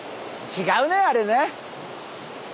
違うねあれね。